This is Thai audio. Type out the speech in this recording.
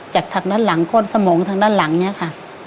จากทางด้านหลังก้นสมองทางด้านหลังเนี่ยค่ะ